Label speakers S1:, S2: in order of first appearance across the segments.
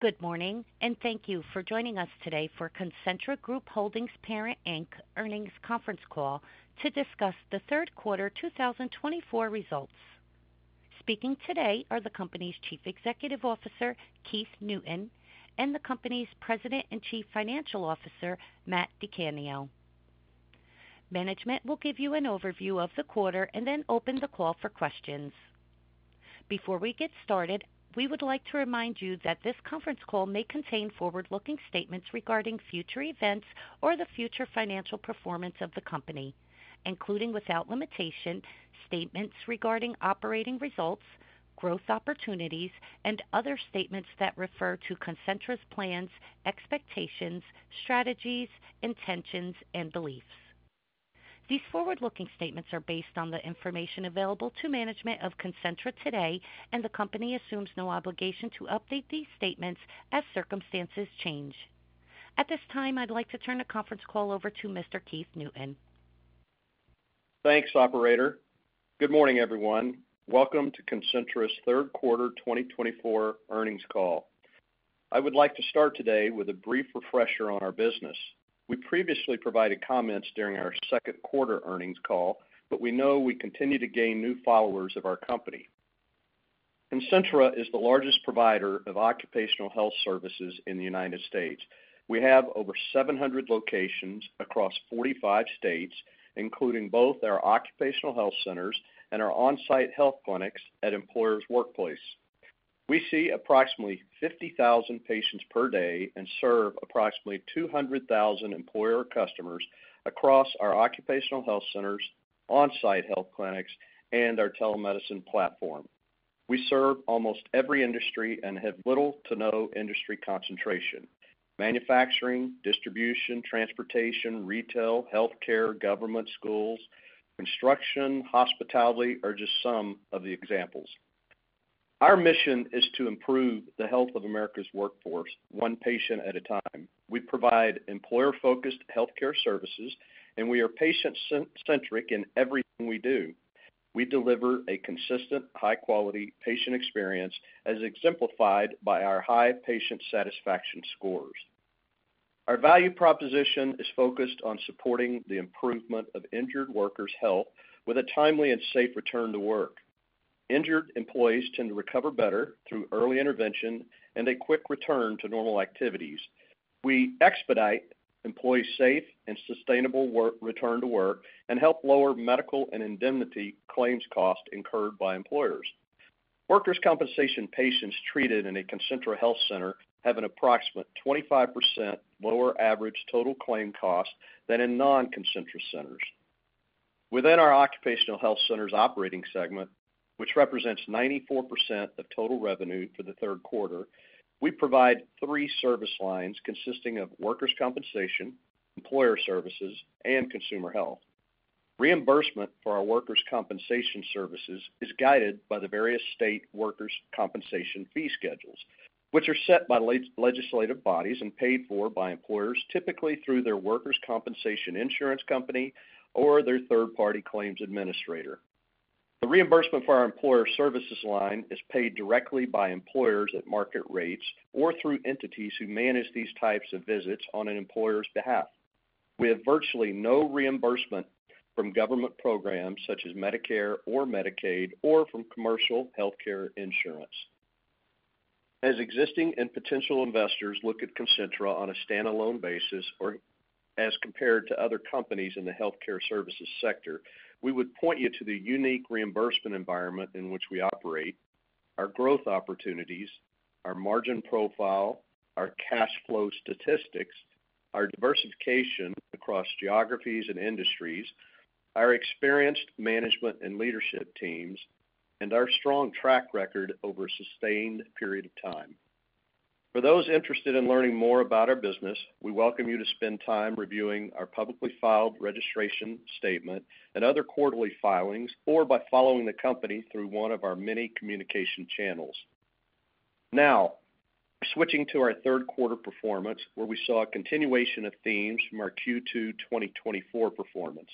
S1: Good morning, and thank you for joining us today for Concentra Group Holdings Parent Inc. earnings conference call to discuss the third quarter 2024 results. Speaking today are the company's Chief Executive Officer, Keith Newton, and the company's President and Chief Financial Officer, Matt DiCanio. Management will give you an overview of the quarter and then open the call for questions. Before we get started, we would like to remind you that this conference call may contain forward-looking statements regarding future events or the future financial performance of the company, including without limitation statements regarding operating results, growth opportunities, and other statements that refer to Concentra's plans, expectations, strategies, intentions, and beliefs. These forward-looking statements are based on the information available to management of Concentra today, and the company assumes no obligation to update these statements as circumstances change. At this time, I'd like to turn the conference call over to Mr. Keith Newton.
S2: Thanks, Operator. Good morning, everyone. Welcome to Concentra's third quarter 2024 earnings call. I would like to start today with a brief refresher on our business. We previously provided comments during our second quarter earnings call, but we know we continue to gain new followers of our company. Concentra is the largest provider of occupational health services in the United States. We have over 700 locations across 45 states, including both our occupational health centers and our on-site health clinics at employers' workplaces. We see approximately 50,000 patients per day and serve approximately 200,000 employer customers across our occupational health centers, on-site health clinics, and our telemedicine platform. We serve almost every industry and have little to no industry concentration. Manufacturing, distribution, transportation, retail, healthcare, government, schools, construction, hospitality are just some of the examples. Our mission is to improve the health of America's workforce, one patient at a time. We provide employer-focused healthcare services, and we are patient-centric in everything we do. We deliver a consistent, high-quality patient experience, as exemplified by our high patient satisfaction scores. Our value proposition is focused on supporting the improvement of injured workers' health with a timely and safe return to work. Injured employees tend to recover better through early intervention and a quick return to normal activities. We expedite employees' safe and sustainable return to work and help lower medical and indemnity claims costs incurred by employers. Workers' compensation patients treated in a Concentra health center have an approximate 25% lower average total claim cost than in non-Concentra centers. Within our occupational health centers operating segment, which represents 94% of total revenue for the third quarter, we provide three service lines consisting of workers' compensation, employer services, and consumer health. Reimbursement for our workers' compensation services is guided by the various state workers' compensation fee schedules, which are set by legislative bodies and paid for by employers, typically through their workers' compensation insurance company or their third-party claims administrator. The reimbursement for our employer services line is paid directly by employers at market rates or through entities who manage these types of visits on an employer's behalf. We have virtually no reimbursement from government programs such as Medicare or Medicaid or from commercial healthcare insurance. As existing and potential investors look at Concentra on a standalone basis or as compared to other companies in the healthcare services sector, we would point you to the unique reimbursement environment in which we operate, our growth opportunities, our margin profile, our cash flow statistics, our diversification across geographies and industries, our experienced management and leadership teams, and our strong track record over a sustained period of time. For those interested in learning more about our business, we welcome you to spend time reviewing our publicly filed registration statement and other quarterly filings or by following the company through one of our many communication channels. Now, switching to our third quarter performance, where we saw a continuation of themes from our Q2 2024 performance.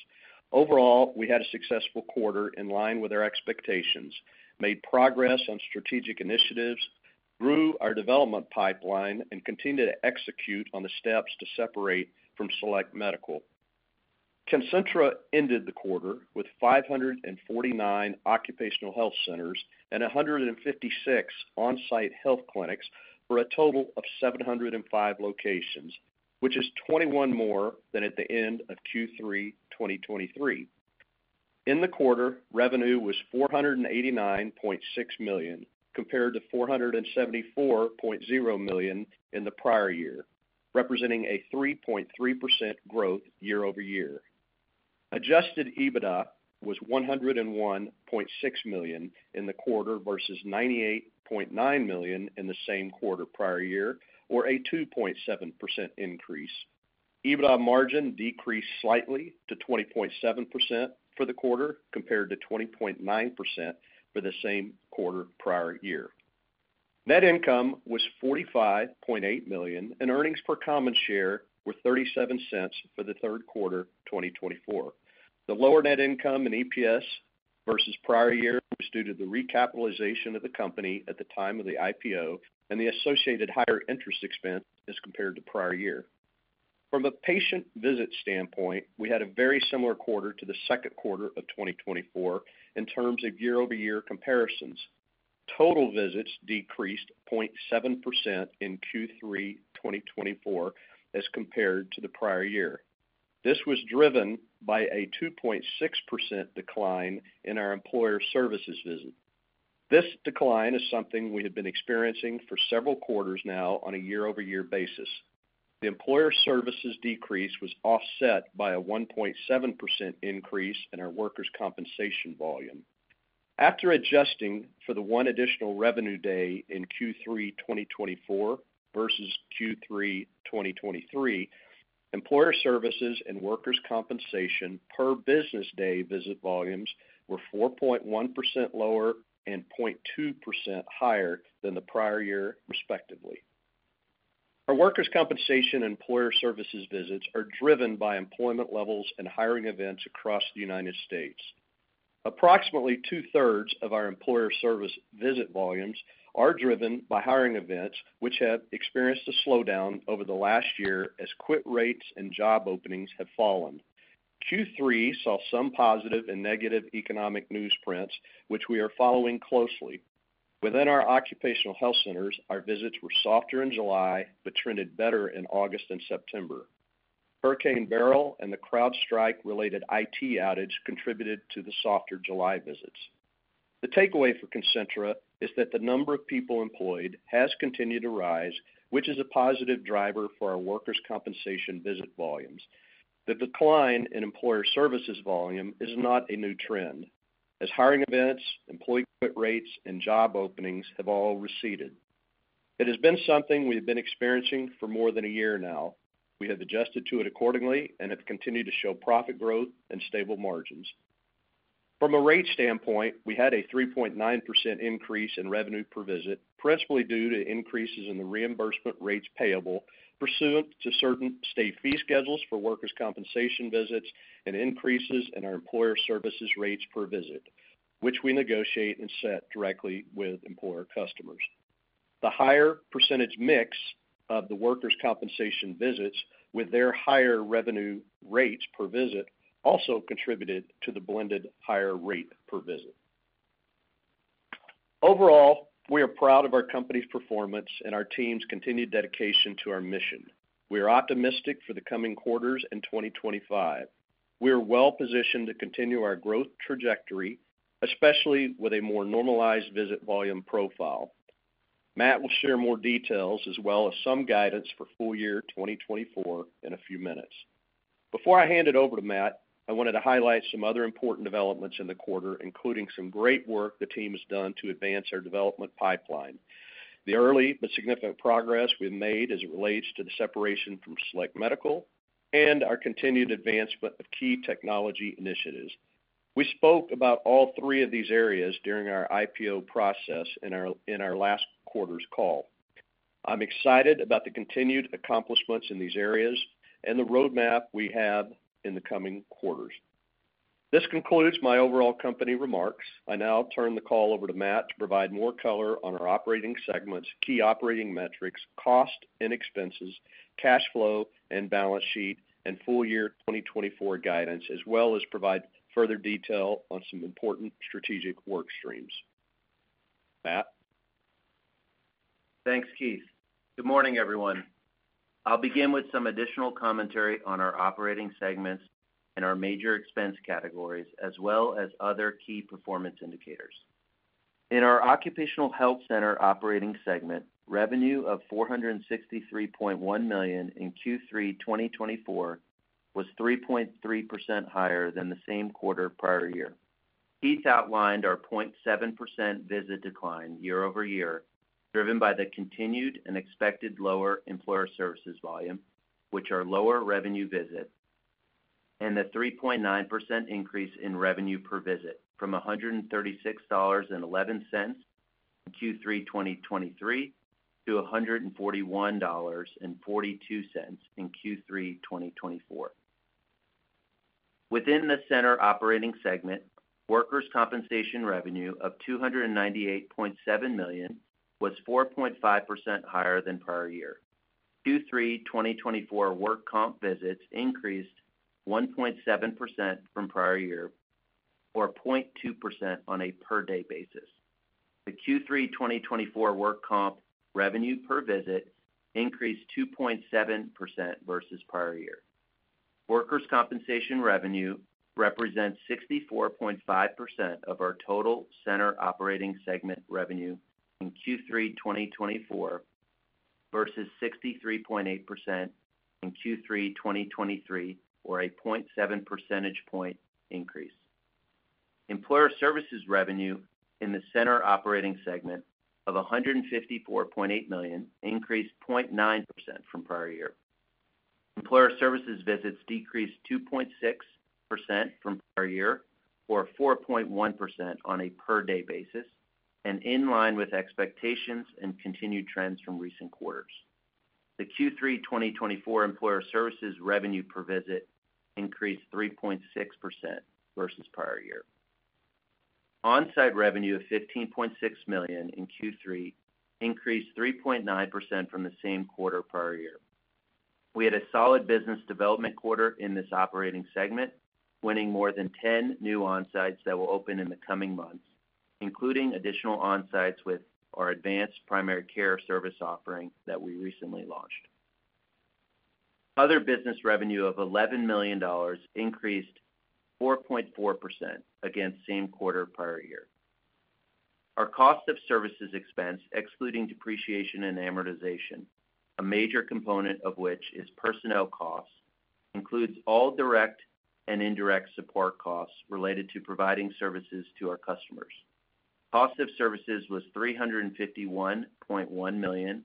S2: Overall, we had a successful quarter in line with our expectations, made progress on strategic initiatives, grew our development pipeline, and continued to execute on the steps to separate from Select Medical. Concentra ended the quarter with 549 occupational health centers and 156 on-site health clinics for a total of 705 locations, which is 21 more than at the end of Q3 2023. In the quarter, revenue was $489.6 million compared to $474.0 million in the prior year, representing a 3.3% growth year-over-year. Adjusted EBITDA was $101.6 million in the quarter versus $98.9 million in the same quarter prior year, or a 2.7% increase. EBITDA margin decreased slightly to 20.7% for the quarter compared to 20.9% for the same quarter prior year. Net income was $45.8 million, and earnings per common share were $0.37 for the third quarter 2024. The lower net income and EPS versus prior year was due to the recapitalization of the company at the time of the IPO and the associated higher interest expense as compared to prior year. From a patient visit standpoint, we had a very similar quarter to the second quarter of 2024 in terms of year-over-year comparisons. Total visits decreased 0.7% in Q3 2024 as compared to the prior year. This was driven by a 2.6% decline in our employer services visit. This decline is something we have been experiencing for several quarters now on a year-over-year basis. The employer services decrease was offset by a 1.7% increase in our workers' compensation volume. After adjusting for the one additional revenue day in Q3 2024 versus Q3 2023, employer services and workers' compensation per business day visit volumes were 4.1% lower and 0.2% higher than the prior year, respectively. Our workers' compensation and employer services visits are driven by employment levels and hiring events across the United States. Approximately two-thirds of our employer service visit volumes are driven by hiring events, which have experienced a slowdown over the last year as quit rates and job openings have fallen. Q3 saw some positive and negative economic news prints, which we are following closely. Within our occupational health centers, our visits were softer in July but trended better in August and September. Hurricane Beryl and the CrowdStrike-related IT outage contributed to the softer July visits. The takeaway for Concentra is that the number of people employed has continued to rise, which is a positive driver for our workers' compensation visit volumes. The decline in employer services volume is not a new trend, as hiring events, employee quit rates, and job openings have all receded. It has been something we have been experiencing for more than a year now. We have adjusted to it accordingly and have continued to show profit growth and stable margins. From a rate standpoint, we had a 3.9% increase in revenue per visit, principally due to increases in the reimbursement rates payable pursuant to certain state fee schedules for workers' compensation visits and increases in our employer services rates per visit, which we negotiate and set directly with employer customers. The higher percentage mix of the workers' compensation visits with their higher revenue rates per visit also contributed to the blended higher rate per visit. Overall, we are proud of our company's performance and our team's continued dedication to our mission. We are optimistic for the coming quarters in 2025. We are well positioned to continue our growth trajectory, especially with a more normalized visit volume profile. Matt will share more details as well as some guidance for full year 2024 in a few minutes. Before I hand it over to Matt, I wanted to highlight some other important developments in the quarter, including some great work the team has done to advance our development pipeline. The early but significant progress we've made as it relates to the separation from Select Medical and our continued advancement of key technology initiatives. We spoke about all three of these areas during our IPO process in our last quarter's call. I'm excited about the continued accomplishments in these areas and the roadmap we have in the coming quarters. This concludes my overall company remarks. I now turn the call over to Matt to provide more color on our operating segments, key operating metrics, cost and expenses, cash flow and balance sheet, and full year 2024 guidance, as well as provide further detail on some important strategic work streams. Matt.
S3: Thanks, Keith. Good morning, everyone. I'll begin with some additional commentary on our operating segments and our major expense categories, as well as other key performance indicators. In our occupational health center operating segment, revenue of $463.1 million in Q3 2024 was 3.3% higher than the same quarter prior year. Keith outlined our 0.7% visit decline year-over-year, driven by the continued and expected lower employer services volume, which are lower revenue visit, and the 3.9% increase in revenue per visit from $136.11 in Q3 2023 to $141.42 in Q3 2024. Within the center operating segment, workers' compensation revenue of $298.7 million was 4.5% higher than prior year. Q3 2024 work comp visits increased 1.7% from prior year, or 0.2% on a per-day basis. The Q3 2024 work comp revenue per visit increased 2.7% versus prior year. Workers' compensation revenue represents 64.5% of our total center operating segment revenue in Q3 2024 versus 63.8% in Q3 2023, or a 0.7 percentage point increase. Employer services revenue in the center operating segment of $154.8 million increased 0.9% from prior year. Employer services visits decreased 2.6% from prior year, or 4.1% on a per-day basis, and in line with expectations and continued trends from recent quarters. The Q3 2024 employer services revenue per visit increased 3.6% versus prior year. On-site revenue of $15.6 million in Q3 increased 3.9% from the same quarter prior year. We had a solid business development quarter in this operating segment, winning more than 10 new on-sites that will open in the coming months, including additional on-sites with our Advanced Primary Care service offering that we recently launched. Other business revenue of $11 million increased 4.4% against same quarter prior year. Our cost of services expense, excluding depreciation and amortization, a major component of which is personnel costs, includes all direct and indirect support costs related to providing services to our customers. Cost of services was $351.1 million,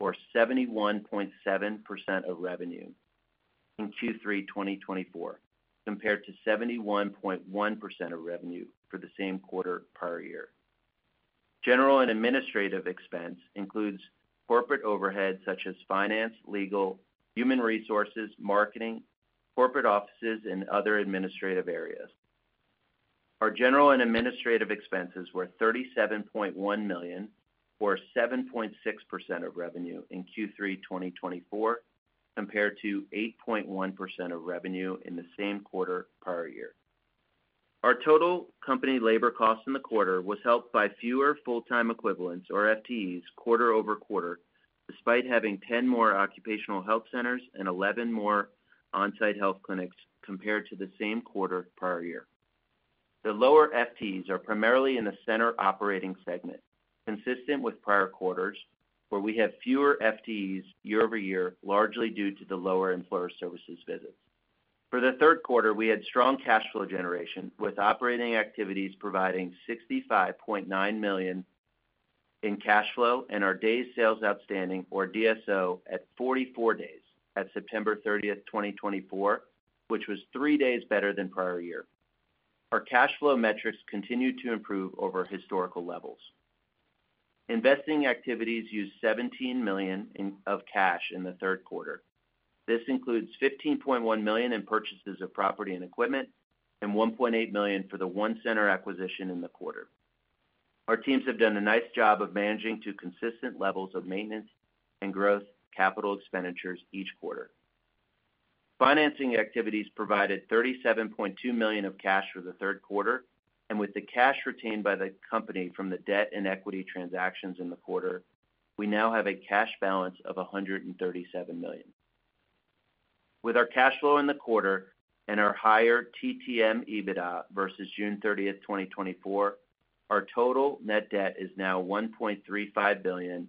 S3: or 71.7% of revenue in Q3 2024, compared to 71.1% of revenue for the same quarter prior year. General and administrative expense includes corporate overhead such as finance, legal, human resources, marketing, corporate offices, and other administrative areas. Our general and administrative expenses were $37.1 million, or 7.6% of revenue in Q3 2024, compared to 8.1% of revenue in the same quarter prior year. Our total company labor costs in the quarter was helped by fewer full-time equivalents, or FTEs, quarter over quarter, despite having 10 more occupational health centers and 11 more on-site health clinics compared to the same quarter prior year. The lower FTEs are primarily in the center operating segment, consistent with prior quarters, where we have fewer FTEs year-over-year, largely due to the lower employer services visits. For the third quarter, we had strong cash flow generation, with operating activities providing $65.9 million in cash flow and our day sales outstanding, or DSO, at 44 days at September 30, 2024, which was three days better than prior year. Our cash flow metrics continued to improve over historical levels. Investing activities used $17 million of cash in the third quarter. This includes $15.1 million in purchases of property and equipment and $1.8 million for the one center acquisition in the quarter. Our teams have done a nice job of managing two consistent levels of maintenance and growth capital expenditures each quarter. Financing activities provided $37.2 million of cash for the third quarter, and with the cash retained by the company from the debt and equity transactions in the quarter, we now have a cash balance of $137 million. With our cash flow in the quarter and our higher TTM EBITDA versus June 30, 2024, our total net debt is now $1.35 billion,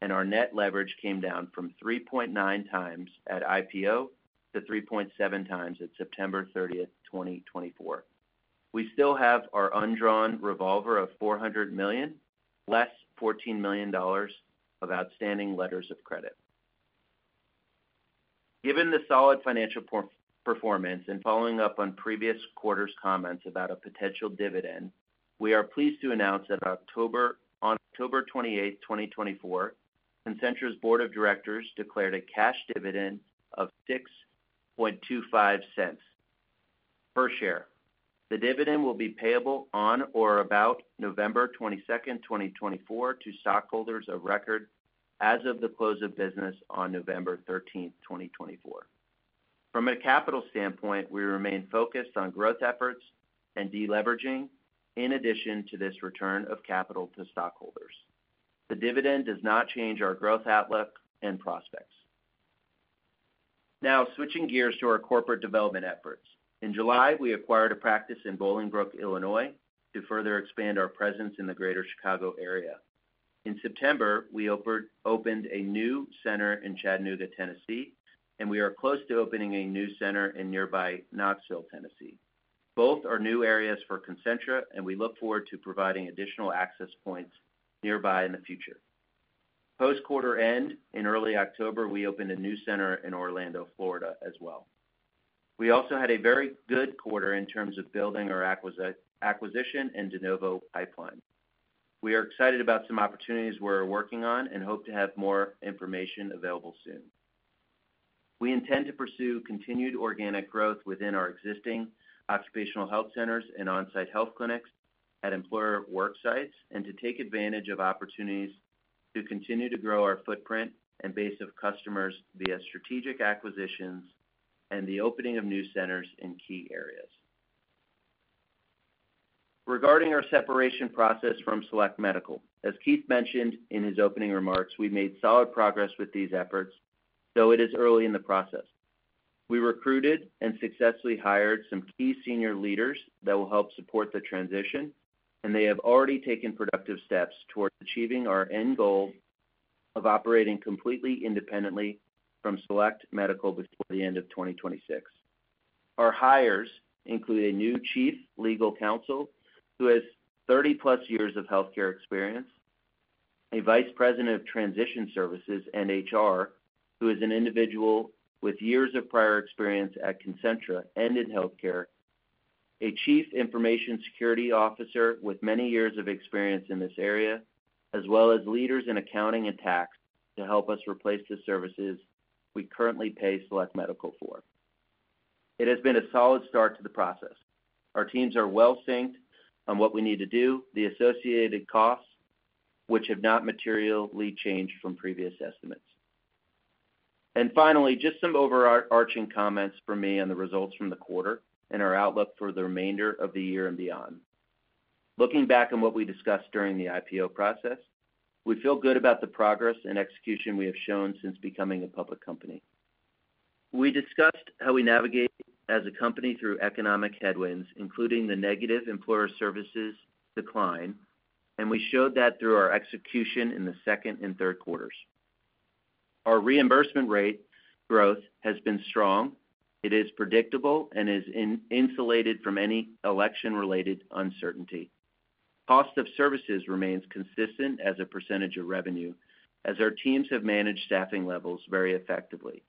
S3: and our net leverage came down from 3.9 times at IPO to 3.7 times at September 30, 2024. We still have our undrawn revolver of $400 million, less $14 million of outstanding letters of credit. Given the solid financial performance and following up on previous quarter's comments about a potential dividend, we are pleased to announce that on October 28, 2024, Concentra's board of directors declared a cash dividend of $0.0625 per share. The dividend will be payable on or about November 22, 2024, to stockholders of record as of the close of business on November 13, 2024. From a capital standpoint, we remain focused on growth efforts and deleveraging, in addition to this return of capital to stockholders. The dividend does not change our growth outlook and prospects. Now, switching gears to our corporate development efforts. In July, we acquired a practice in Bolingbrook, Illinois, to further expand our presence in the greater Chicago area. In September, we opened a new center in Chattanooga, Tennessee, and we are close to opening a new center in nearby Knoxville, Tennessee. Both are new areas for Concentra, and we look forward to providing additional access points nearby in the future. Post-quarter end, in early October, we opened a new center in Orlando, Florida, as well. We also had a very good quarter in terms of building our acquisition and de novo pipeline. We are excited about some opportunities we're working on and hope to have more information available soon. We intend to pursue continued organic growth within our existing occupational health centers and on-site health clinics at employer work sites and to take advantage of opportunities to continue to grow our footprint and base of customers via strategic acquisitions and the opening of new centers in key areas. Regarding our separation process from Select Medical, as Keith mentioned in his opening remarks, we made solid progress with these efforts, though it is early in the process. We recruited and successfully hired some key senior leaders that will help support the transition, and they have already taken productive steps toward achieving our end goal of operating completely independently from Select Medical before the end of 2026. Our hires include a new Chief Legal Counsel who has 30+ years of healthcare experience, a Vice President of Transition Services and HR who is an individual with years of prior experience at Concentra and in healthcare, a Chief Information Security Officer with many years of experience in this area, as well as leaders in accounting and tax to help us replace the services we currently pay Select Medical for. It has been a solid start to the process. Our teams are well synced on what we need to do, the associated costs, which have not materially changed from previous estimates. And finally, just some overarching comments for me on the results from the quarter and our outlook for the remainder of the year and beyond. Looking back on what we discussed during the IPO process, we feel good about the progress and execution we have shown since becoming a public company. We discussed how we navigate as a company through economic headwinds, including the negative employer services decline, and we showed that through our execution in the second and third quarters. Our reimbursement rate growth has been strong. It is predictable and is insulated from any election-related uncertainty. Cost of services remains consistent as a percentage of revenue, as our teams have managed staffing levels very effectively.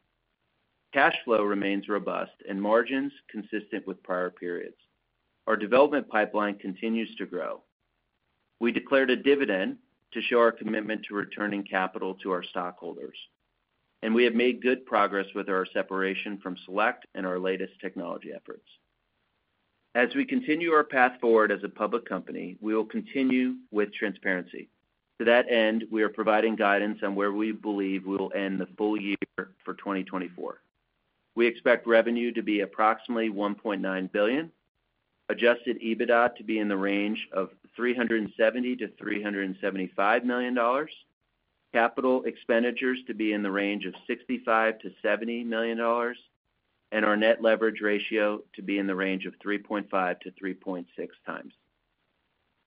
S3: Cash flow remains robust and margins consistent with prior periods. Our development pipeline continues to grow. We declared a dividend to show our commitment to returning capital to our stockholders, and we have made good progress with our separation from Select and our latest technology efforts. As we continue our path forward as a public company, we will continue with transparency. To that end, we are providing guidance on where we believe we will end the full year for 2024. We expect revenue to be approximately $1.9 billion, adjusted EBITDA to be in the range of $370 million-$375 million, capital expenditures to be in the range of $65 million-$70 million, and our net leverage ratio to be in the range of 3.5 times-3.6 times.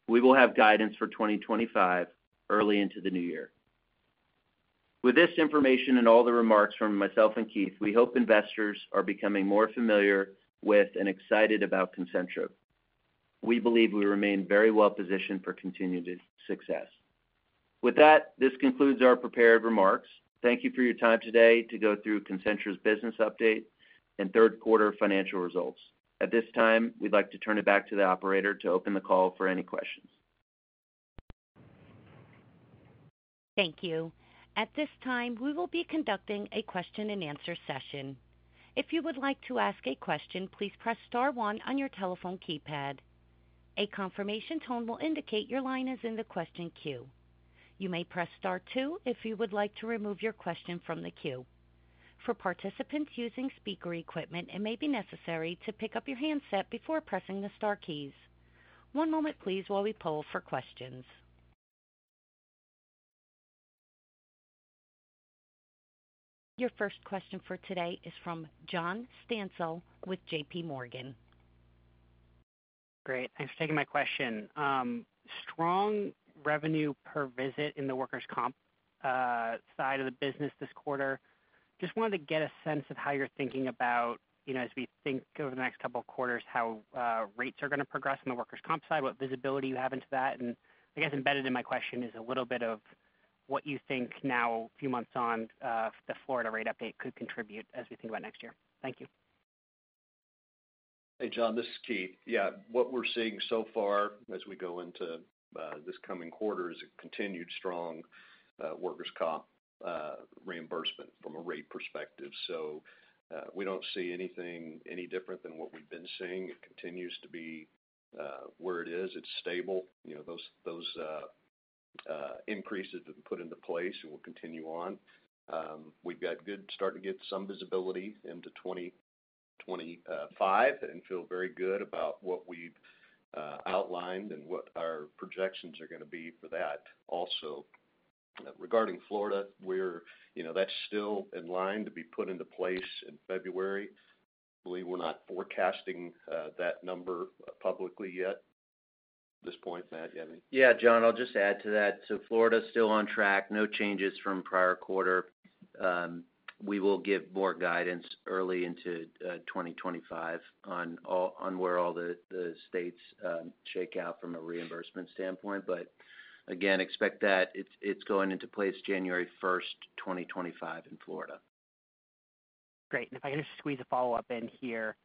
S3: We will have guidance for 2025 early into the new year. With this information and all the remarks from myself and Keith, we hope investors are becoming more familiar with and excited about Concentra. We believe we remain very well positioned for continued success. With that, this concludes our prepared remarks. Thank you for your time today to go through Concentra's business update and third quarter financial results. At this time, we'd like to turn it back to the operator to open the call for any questions.
S1: Thank you. At this time, we will be conducting a question-and-answer session. If you would like to ask a question, please press star one on your telephone keypad. A confirmation tone will indicate your line is in the question queue. You may press star two if you would like to remove your question from the queue. For participants using speaker equipment, it may be necessary to pick up your handset before pressing the star keys. One moment, please, while we pull for questions. Your first question for today is from John Stancil with JP Morgan.
S4: Great. Thanks for taking my question. Strong revenue per visit in the workers' comp side of the business this quarter. Just wanted to get a sense of how you're thinking about, as we think over the next couple of quarters, how rates are going to progress on the workers' comp side, what visibility you have into that. And I guess embedded in my question is a little bit of what you think now, a few months on, the Florida rate update could contribute as we think about next year. Thank you.
S2: Hey, John, this is Keith. Yeah, what we're seeing so far as we go into this coming quarter is a continued strong workers' comp reimbursement from a rate perspective. So we don't see anything any different than what we've been seeing. It continues to be where it is. It's stable. Those increases have been put into place and will continue on. We've got good start to get some visibility into 2025 and feel very good about what we've outlined and what our projections are going to be for that. Also, regarding Florida, that's still in line to be put into place in February. I believe we're not forecasting that number publicly yet. At this point, Matt, you have any?
S3: Yeah, John, I'll just add to that. So Florida's still on track. No changes from prior quarter. We will give more guidance early into 2025 on where all the states shake out from a reimbursement standpoint. But again, expect that it's going into place January 1, 2025 in Florida.
S4: Great. And if I can just squeeze a follow-up in here.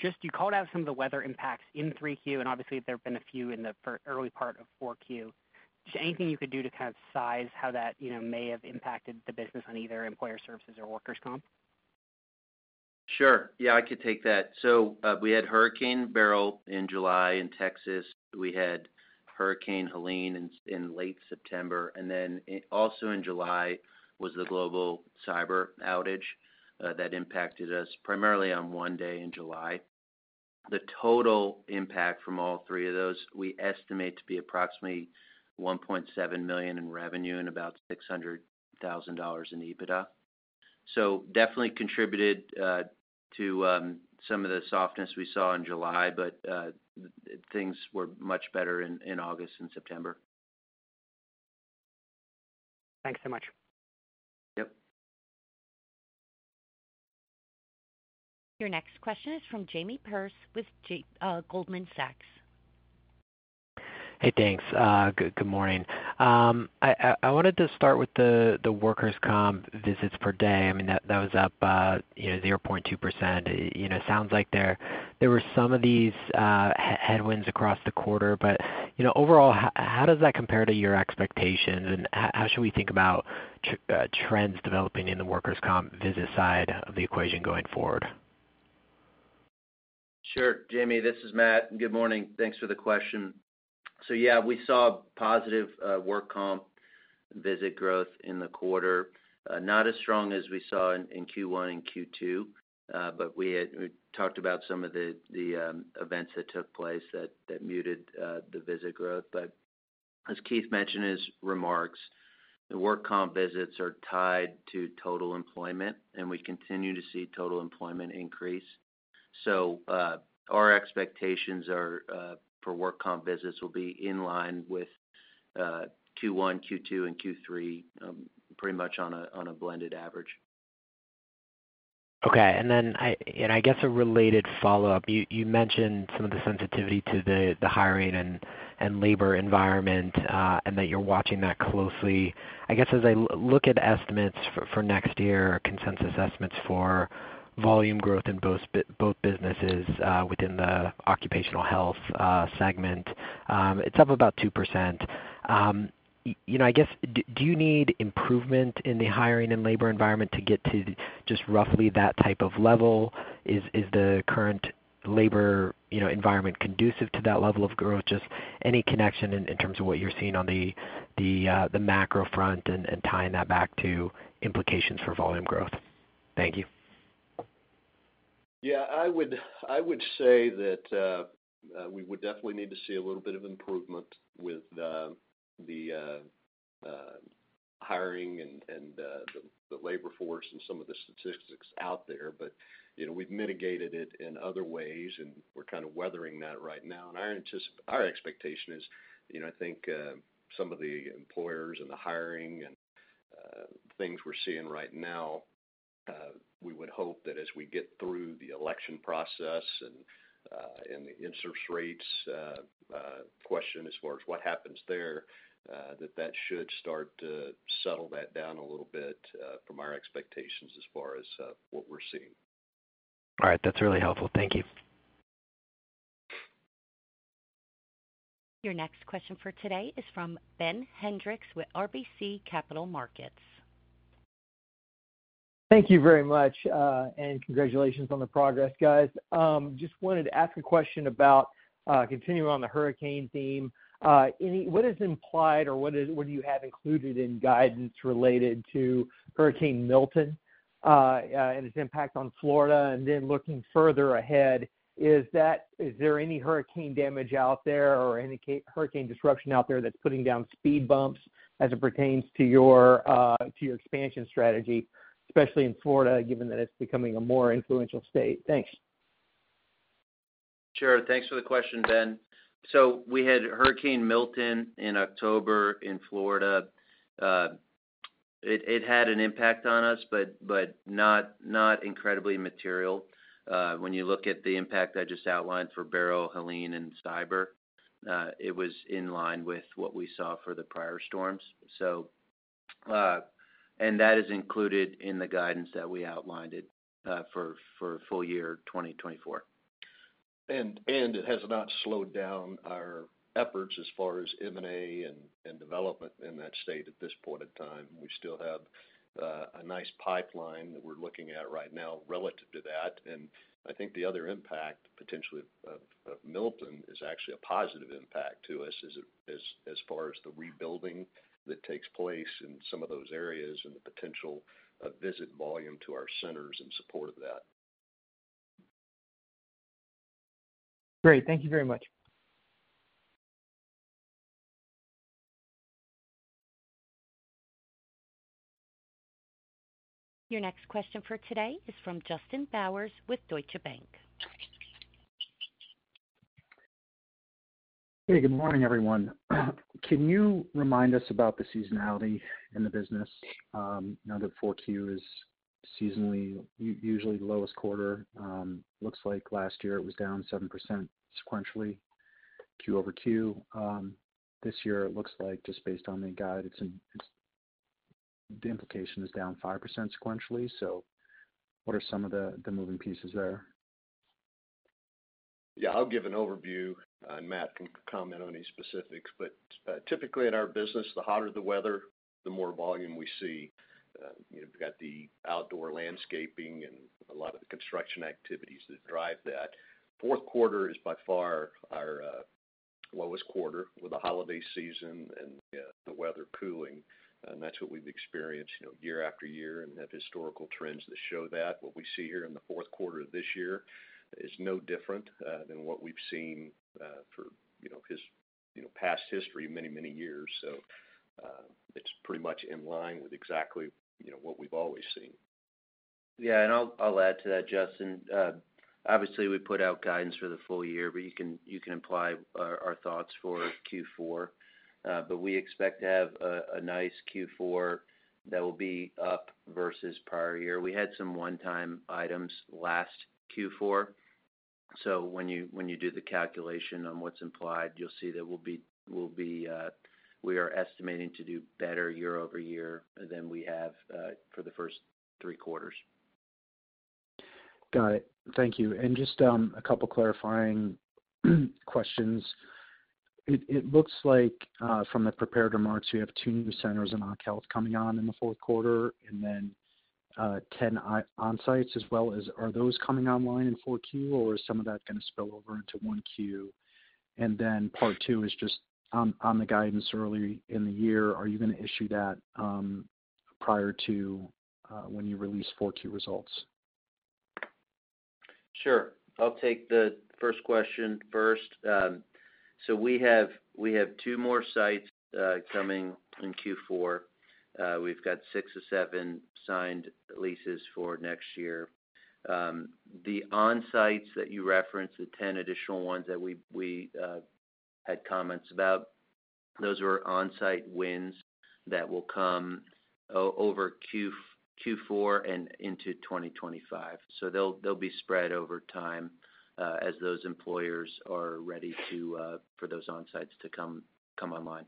S4: Just you called out some of the weather impacts in 3Q, and obviously, there have been a few in the early part of 4Q. Just anything you could do to kind of size how that may have impacted the business on either employer services or workers' comp?
S3: Sure. Yeah, I could take that. So we had Hurricane Beryl in July in Texas. We had Hurricane Helene in late September. And then also in July was the global cyber outage that impacted us primarily on one day in July. The total impact from all three of those, we estimate to be approximately $1.7 million in revenue and about $600,000 in EBITDA. So definitely contributed to some of the softness we saw in July, but things were much better in August and September.
S4: Thanks so much.
S3: Yep.
S1: Your next question is from Jamie Perse with Goldman Sachs.
S5: Hey, thanks. Good morning. I wanted to start with the workers' comp visits per day. I mean, that was up 0.2%. It sounds like there were some of these headwinds across the quarter, but overall, how does that compare to your expectations, and how should we think about trends developing in the workers' comp visit side of the equation going forward?
S3: Sure. Jamie, this is Matt. Good morning. Thanks for the question. So yeah, we saw positive work comp visit growth in the quarter. Not as strong as we saw in Q1 and Q2, but we talked about some of the events that took place that muted the visit growth. But as Keith mentioned in his remarks, the work comp visits are tied to total employment, and we continue to see total employment increase. So our expectations for work comp visits will be in line with Q1, Q2, and Q3, pretty much on a blended average.
S5: Okay. And then I guess a related follow-up. You mentioned some of the sensitivity to the hiring and labor environment and that you're watching that closely. I guess as I look at estimates for next year, consensus estimates for volume growth in both businesses within the occupational health segment, it's up about 2%. I guess, do you need improvement in the hiring and labor environment to get to just roughly that type of level? Is the current labor environment conducive to that level of growth? Just any connection in terms of what you're seeing on the macro front and tying that back to implications for volume growth? Thank you.
S2: Yeah, I would say that we would definitely need to see a little bit of improvement with the hiring and the labor force and some of the statistics out there. But we've mitigated it in other ways, and we're kind of weathering that right now. And our expectation is, I think some of the employers and the hiring and things we're seeing right now, we would hope that as we get through the election process and the interest rates question as far as what happens there, that that should start to settle that down a little bit from our expectations as far as what we're seeing.
S5: All right. That's really helpful. Thank you.
S1: Your next question for today is from Ben Hendrix with RBC Capital Markets.
S6: Thank you very much, and congratulations on the progress, guys. Just wanted to ask a question about continuing on the hurricane theme. What is implied or what do you have included in guidance related to Hurricane Milton and its impact on Florida? And then looking further ahead, is there any hurricane damage out there or any hurricane disruption out there that's putting down speed bumps as it pertains to your expansion strategy, especially in Florida, given that it's becoming a more influential state? Thanks.
S3: Sure. Thanks for the question, Ben. So we had Hurricane Milton in October in Florida. It had an impact on us, but not incredibly material. When you look at the impact I just outlined for Beryl, Helene, and Cyber, it was in line with what we saw for the prior storms, and that is included in the guidance that we outlined for full year 2024.
S2: It has not slowed down our efforts as far as M&A and development in that state at this point in time. We still have a nice pipeline that we're looking at right now relative to that. I think the other impact potentially of Milton is actually a positive impact to us as far as the rebuilding that takes place in some of those areas and the potential visit volume to our centers in support of that.
S6: Great. Thank you very much.
S1: Your next question for today is from Justin Bowers with Deutsche Bank.
S7: Hey, good morning, everyone. Can you remind us about the seasonality in the business? I know that 4Q is seasonally, usually lowest quarter. Looks like last year it was down 7% sequentially, Q over Q. This year, it looks like just based on the guidance, the implication is down 5% sequentially. So what are some of the moving pieces there?
S2: Yeah, I'll give an overview, and Matt can comment on any specifics. But typically in our business, the hotter the weather, the more volume we see. We've got the outdoor landscaping and a lot of the construction activities that drive that. Fourth quarter is by far our lowest quarter with the holiday season and the weather cooling. And that's what we've experienced year after year and have historical trends that show that. What we see here in the fourth quarter of this year is no different than what we've seen for past history many, many years. So it's pretty much in line with exactly what we've always seen.
S3: Yeah. And I'll add to that, Justin. Obviously, we put out guidance for the full year, but you can imply our thoughts for Q4. But we expect to have a nice Q4 that will be up versus prior year. We had some one-time items last Q4. So when you do the calculation on what's implied, you'll see that we are estimating to do better year-over-year than we have for the first three quarters.
S7: Got it. Thank you. And just a couple of clarifying questions. It looks like from the prepared remarks, you have two new centers in occ health coming on in the fourth quarter and then 10 on-sites. Are those coming online in 4Q, or is some of that going to spill over into 1Q? And then part two is just on the guidance early in the year. Are you going to issue that prior to when you release 4Q results?
S3: Sure. I'll take the first question first. So we have two more sites coming in Q4. We've got six or seven signed leases for next year. The on-sites that you referenced, the 10 additional ones that we had comments about, those are on-site wins that will come over Q4 and into 2025. So they'll be spread over time as those employers are ready for those on-sites to come online.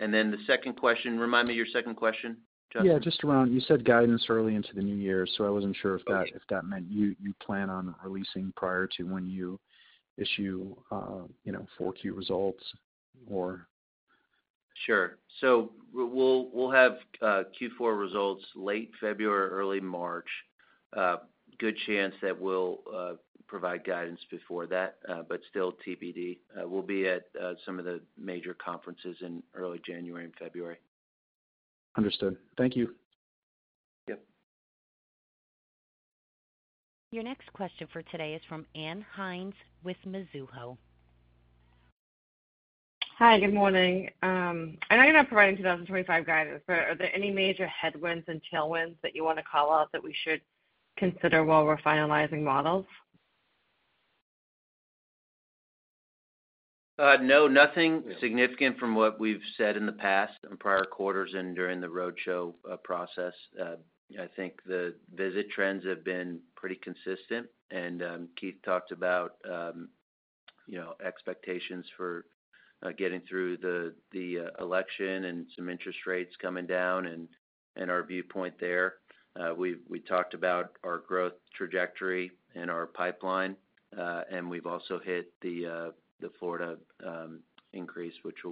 S3: And then the second question, remind me your second question, John?
S7: Yeah. Just around, you said guidance early into the new year, so I wasn't sure if that meant you plan on releasing prior to when you issue 4Q results or?
S3: Sure. So we'll have Q4 results late February, early March. Good chance that we'll provide guidance before that, but still TBD. We'll be at some of the major conferences in early January and February.
S7: Understood. Thank you.
S3: Thank you.
S1: Your next question for today is from Ann Hynes with Mizuho.
S8: Hi, good morning. I know you're not providing 2025 guidance, but are there any major headwinds and tailwinds that you want to call out that we should consider while we're finalizing models?
S3: No, nothing significant from what we've said in the past and prior quarters and during the roadshow process. I think the visit trends have been pretty consistent, and Keith talked about expectations for getting through the election and some interest rates coming down and our viewpoint there. We talked about our growth trajectory and our pipeline, and we've also hit the Florida increase, which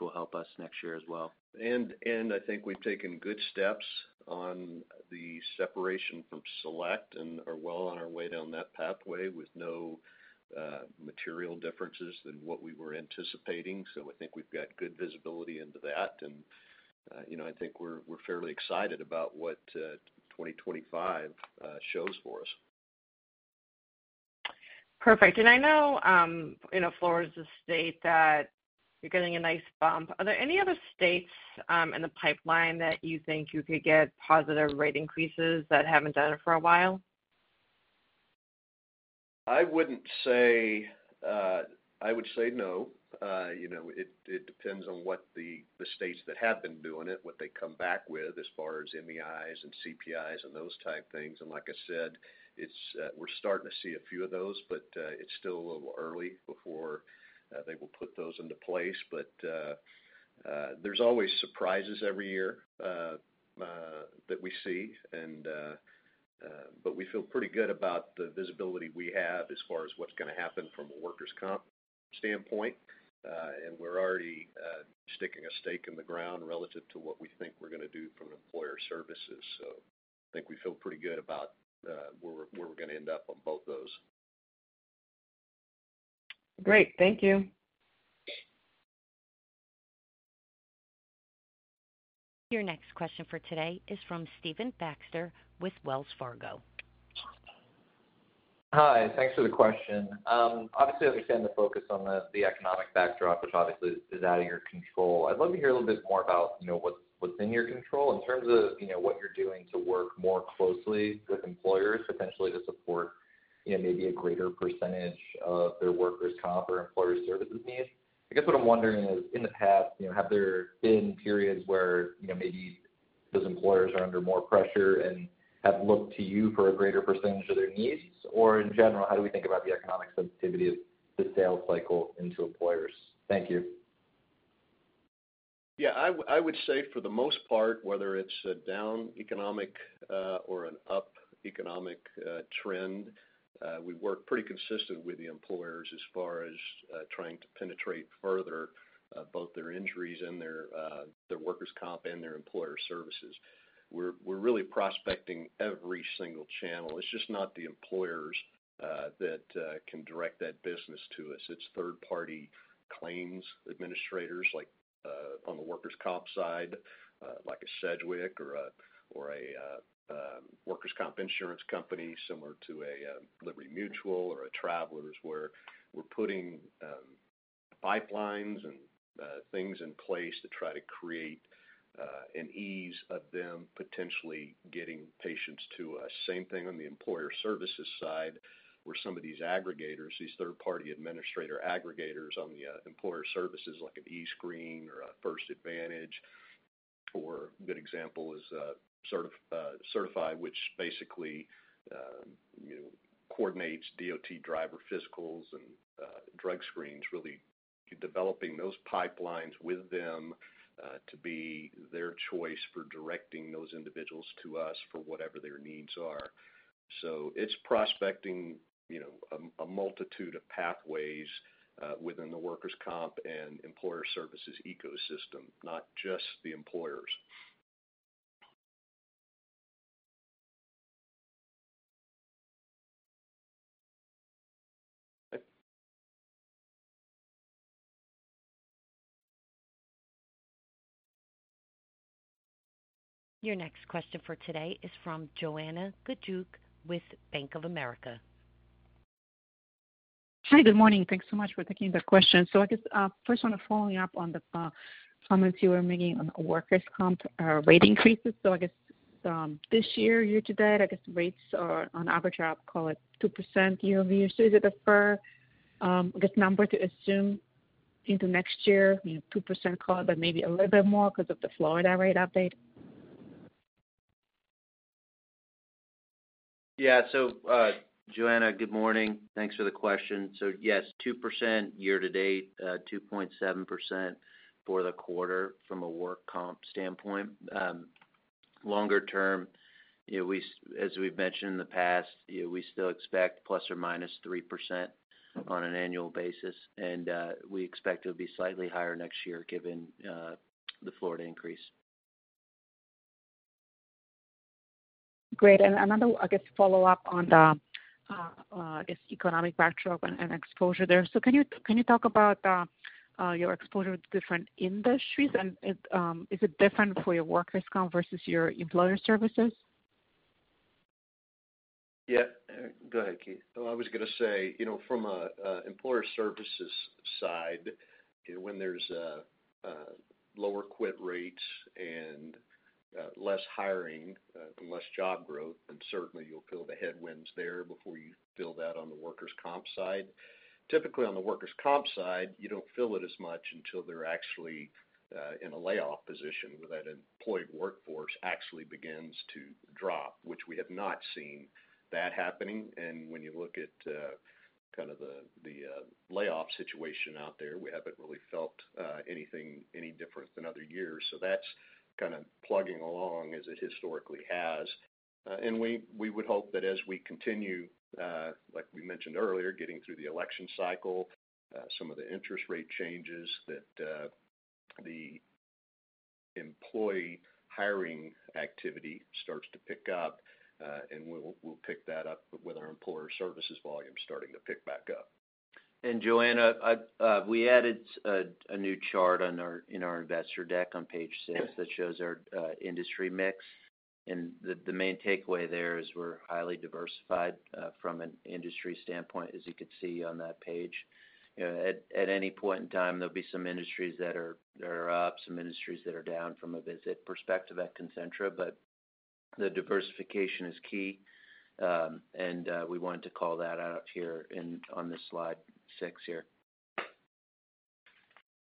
S3: will help us next year as well.
S2: And I think we've taken good steps on the separation from Select and are well on our way down that pathway with no material differences than what we were anticipating. So I think we've got good visibility into that. And I think we're fairly excited about what 2025 shows for us.
S8: Perfect, and I know Florida is a state that you're getting a nice bump. Are there any other states in the pipeline that you think you could get positive rate increases that haven't done it for a while?
S2: I wouldn't say. I would say no. It depends on what the states that have been doing it, what they come back with as far as MEIs and CPIs and those type things, and like I said, we're starting to see a few of those, but it's still a little early before they will put those into place, but there's always surprises every year that we see, but we feel pretty good about the visibility we have as far as what's going to happen from a workers' comp standpoint, and we're already sticking a stake in the ground relative to what we think we're going to do from employer services, so I think we feel pretty good about where we're going to end up on both those.
S8: Great. Thank you.
S1: Your next question for today is from Stephen Baxter with Wells Fargo.
S9: Hi. Thanks for the question. Obviously, I understand the focus on the economic backdrop, which obviously is out of your control. I'd love to hear a little bit more about what's in your control in terms of what you're doing to work more closely with employers, potentially to support maybe a greater percentage of their workers' comp or employer services needs. I guess what I'm wondering is, in the past, have there been periods where maybe those employers are under more pressure and have looked to you for a greater percentage of their needs? Or in general, how do we think about the economic sensitivity of the sales cycle into employers? Thank you.
S2: Yeah. I would say for the most part, whether it's a down economic or an up economic trend, we work pretty consistently with the employers as far as trying to penetrate further both their injuries and their workers' comp and their employer services. We're really prospecting every single channel. It's just not the employers that can direct that business to us. It's third-party claims administrators on the workers' comp side, like a Sedgwick or a workers' comp insurance company similar to a Liberty Mutual or a Travelers, where we're putting pipelines and things in place to try to create an ease of them potentially getting patients to us. Same thing on the employer services side, where some of these aggregators, these third-party administrator aggregators on the employer services, like eScreen or First Advantage, or a good example is Certiphi, which basically coordinates DOT driver physicals and drug screens, really developing those pipelines with them to be their choice for directing those individuals to us for whatever their needs are. So it's prospecting a multitude of pathways within the workers' comp and employer services ecosystem, not just the employers.
S1: Your next question for today is from Joanna Gajuk with Bank of America.
S10: Hi, good morning. Thanks so much for taking the question. So I guess first on the following up on the comments you were making on workers' comp rate increases. So I guess this year, year to date, I guess rates are on average up, call it 2% year-over-year. So is it a fair, I guess, number to assume into next year, 2% call it, but maybe a little bit more because of the Florida rate update?
S3: Yeah, so Joanna, good morning. Thanks for the question, so yes, 2% year to date, 2.7% for the quarter from a work comp standpoint. Longer term, as we've mentioned in the past, we still expect plus or minus 3% on an annual basis, and we expect it will be slightly higher next year given the Florida increase.
S10: Great. And another, I guess, follow-up on the economic backdrop and exposure there. So can you talk about your exposure to different industries? And is it different for your workers' comp versus your employer services?
S3: Yeah. Go ahead, Keith.
S2: I was going to say from an employer services side, when there's lower quit rates and less hiring and less job growth, then certainly you'll feel the headwinds there before you feel that on the workers' comp side. Typically, on the workers' comp side, you don't feel it as much until they're actually in a layoff position where that employed workforce actually begins to drop, which we have not seen that happening. And when you look at kind of the layoff situation out there, we haven't really felt anything any different than other years. So that's kind of plugging along as it historically has. We would hope that as we continue, like we mentioned earlier, getting through the election cycle, some of the interest rate changes that the employee hiring activity starts to pick up, and we'll pick that up with our employer services volume starting to pick back up.
S3: Joanna, we added a new chart in our investor deck on page six that shows our industry mix. The main takeaway there is we're highly diversified from an industry standpoint, as you could see on that page. At any point in time, there'll be some industries that are up, some industries that are down from a visit perspective at Concentra, but the diversification is key. We wanted to call that out here on this slide six here.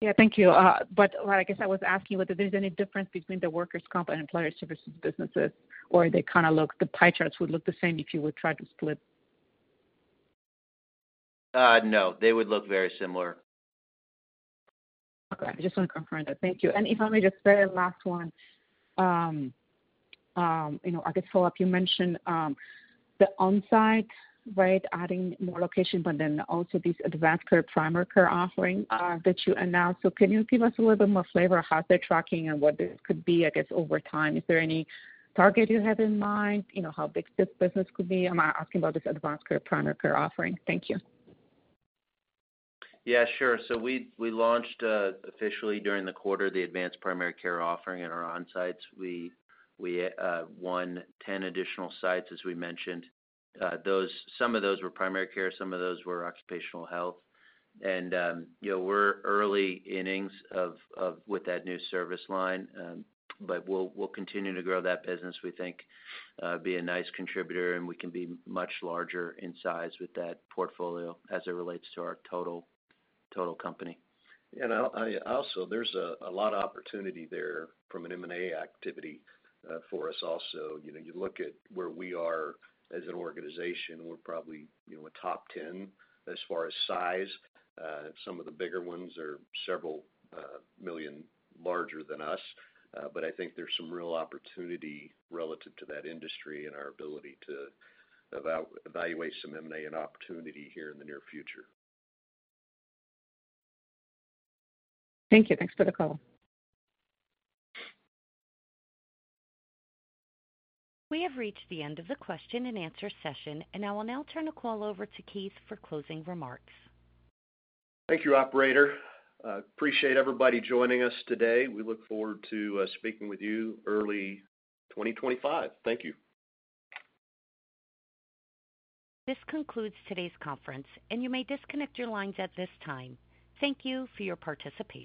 S10: Yeah. Thank you. But I guess I was asking whether there's any difference between the workers' comp and employer services businesses, or they kind of look the pie charts would look the same if you would try to split?
S3: No. They would look very similar.
S10: Okay. I just want to confirm that. Thank you. And if I may just say the last one, I guess follow-up. You mentioned the on-site, right, adding more location, but then also these Advanced Primary Care offerings that you announced. So can you give us a little bit more flavor of how they're tracking and what this could be, I guess, over time? Is there any target you have in mind? How big this business could be? I'm asking about this Advanced Primary Care offering. Thank you.
S3: Yeah. Sure. So we launched officially during the quarter the Advanced Primary Care offering in our on-sites. We won 10 additional sites, as we mentioned. Some of those were primary care. Some of those were occupational health. And we're early innings with that new service line, but we'll continue to grow that business. We think be a nice contributor, and we can be much larger in size with that portfolio as it relates to our total company.
S2: Also, there's a lot of opportunity there from an M&A activity for us also. You look at where we are as an organization, we're probably a top 10 as far as size. Some of the bigger ones are several million larger than us. But I think there's some real opportunity relative to that industry and our ability to evaluate some M&A and opportunity here in the near future.
S10: Thank you. Thanks for the call.
S1: We have reached the end of the question and answer session, and I will now turn the call over to Keith for closing remarks.
S2: Thank you, Operator. Appreciate everybody joining us today. We look forward to speaking with you early 2025. Thank you.
S1: This concludes today's conference, and you may disconnect your lines at this time. Thank you for your participation.